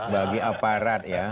bagi aparat ya